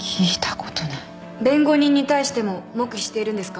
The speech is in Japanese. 弁護人に対しても黙秘しているんですか。